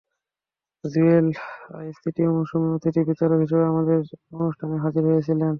জুয়েল আইচ তৃতীয় মৌসুমে অতিথি বিচারক হিসেবে আমাদের অনুষ্ঠানে হাজির হয়েছিলেন।